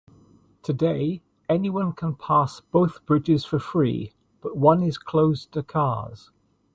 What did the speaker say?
Today, anyone can pass both bridges for free, but one is closed to cars.